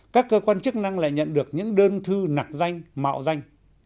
các cơ quan chức năng lại nhận được những đơn thư nạc danh mạo danh